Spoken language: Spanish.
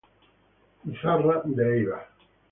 Izarra" de Eibar.